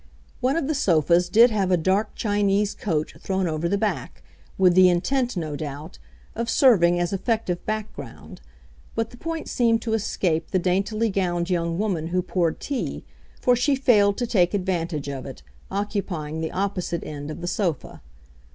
One of the sofas did have a dark Chinese coat thrown over the back, with the intent, no doubt, of serving as effective background, but the point seemed to escape the daintily gowned young woman who poured tea, for she failed to take advantage of it, occupying the opposite end of the sofa.